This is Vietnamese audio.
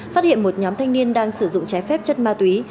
phát hiện một nhóm thanh niên đang sử dụng trái phép chất ma túy